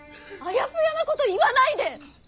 あやふやなこと言わないで！